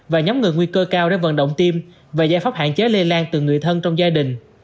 và nhóm người nguy cơ cao để vận động tiêm và giải pháp hạn chế lây lan từ người thân trong gia đình